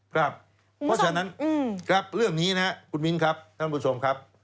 เพราะฉะนั้นครับเรื่องนี้นะครับคุณมิ้นครับท่านผู้ชมครับ